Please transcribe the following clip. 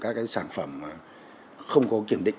các sản phẩm không có kiểm định